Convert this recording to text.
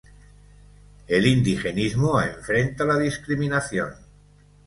El indigenismo enfrenta la discriminación.